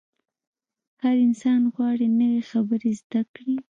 هر انسان غواړي نوې خبرې زده کړي.